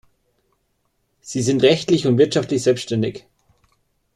Sie sind rechtlich und wirtschaftlich selbständig.